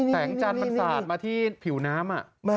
แสงจันทร์มันสาดมาที่ผิวน้ำ